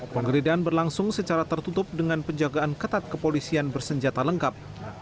penggeledahan berlangsung secara tertutup dengan penjagaan ketat kepolisian bersenjata lengkap